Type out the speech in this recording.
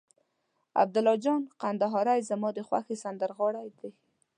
عبیدالله جان کندهاری زما د خوښې سندرغاړی دي.